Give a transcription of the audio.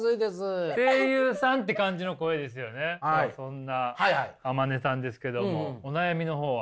そんな天希さんですけどもお悩みの方は？